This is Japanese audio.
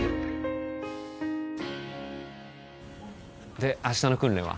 で明日の訓練は？